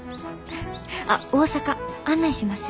あっ大阪案内しますよ。